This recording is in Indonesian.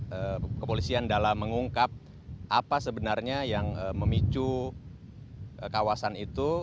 jadi kepolisian dalam mengungkap apa sebenarnya yang memicu kawasan itu